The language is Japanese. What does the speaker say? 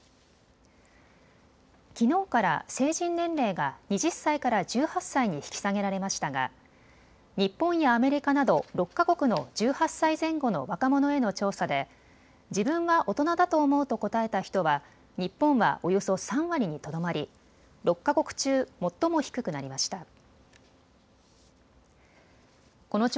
きのうから成人年齢が２０歳から１８歳に引き下げられましたが日本やアメリカなど６か国の１８歳前後の若者への調査で自分は大人だと思うと答えた人は日本がおよそ３割にとどまり６か国中、最も低くなりました。